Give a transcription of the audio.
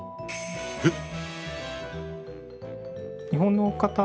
えっ？